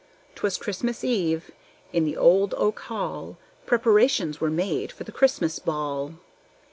'Twas Christmas eve. In the old oak hall Preparations were made for the Christmas ball.